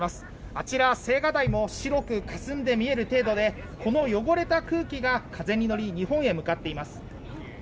あちら、青瓦台も白くかすんで見える程度でこの汚れた空気が風に乗り日本へ向かっています。